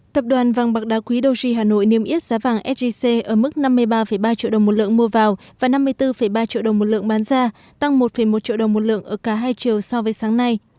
tập đoàn vàng bạc đá quý doji hà nội niêm yết giá vàng sgc ở mức năm mươi ba ba triệu đồng một lượng mua vào và năm mươi bốn ba triệu đồng một lượng bán ra tăng một một triệu đồng một lượng ở cả hai triệu so với sáng nay